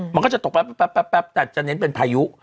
มันก็จะตกแต่จะแนนเป็นผ่ายุ